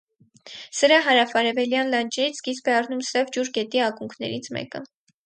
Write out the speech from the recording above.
Սրա հարավարևելյան լաջերից սկիզբ է առնում Սև ջուր գետի ակունքներից մեկը։